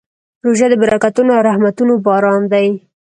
روژه د برکتونو او رحمتونو باران دی.